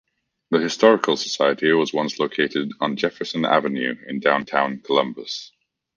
The historical society was once located on Jefferson Avenue in Downtown Columbus.